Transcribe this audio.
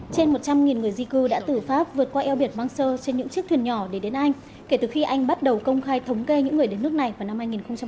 trên một trăm linh người di cư đã từ pháp vượt qua eo biển mancher trên những chiếc thuyền nhỏ để đến anh kể từ khi anh bắt đầu công khai thống kê những người đến nước này vào năm hai nghìn một mươi